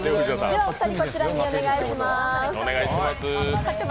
では、お二人、こちらにお願いします。